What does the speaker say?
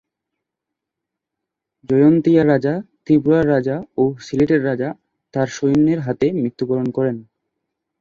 জয়ন্তীয়া রাজা, ত্রিপুরার রাজা ও সিলেটের রাজা তার সৈন্যের হাতে মৃত্যুবরণ করেন।।